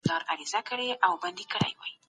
بهرنۍ پالیسي یوازې د جګړې لپاره نه وي.